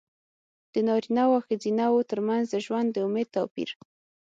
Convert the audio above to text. د نارینه وو او ښځینه وو ترمنځ د ژوند د امید توپیر.